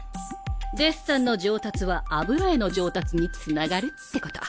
デッサンの上達は油絵の上達につながるってこと。